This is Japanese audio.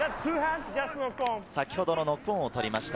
先ほどのノックオンを取りました。